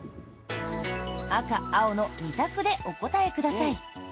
赤、青の２択でお答えください。